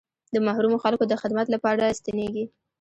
د محرومو خلکو د خدمت لپاره ستنېږي.